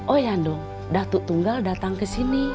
oh iya andung datuk tunggal datang kesini